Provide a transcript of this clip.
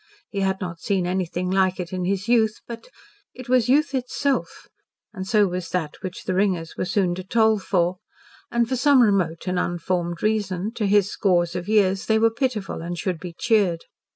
He had not seen anything like it in his youth, but it was Youth itself, and so was that which the ringers were so soon to toll for; and for some remote and unformed reason, to his scores of years they were pitiful and should be cheered.